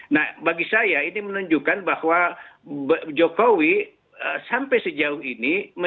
nah bagi saya ini menunjukkan bahwa jokowi sampai sejauh ini